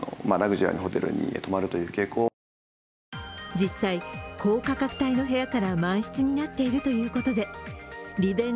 実際、高価格帯の部屋から満室になっているということで、リベンジ